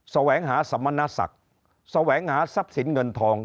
แสวงหาสมณศักดิ์แสวงหาทรัพย์สินเงินทอง